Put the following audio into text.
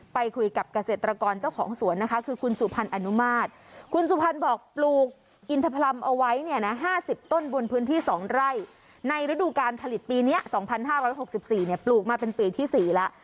เปลวมาเป็นปีที่๔แล้ว